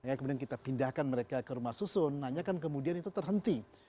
ya kemudian kita pindahkan mereka ke rumah susun hanya kan kemudian itu terhenti